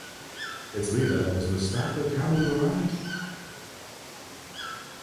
Its leader was Mustafa Kamel Murad.